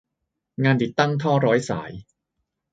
งานติดตั้งท่อร้อยสาย